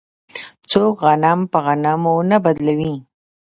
څوک غنم په غنمو نه بدلوي.